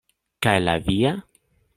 Kaj la via?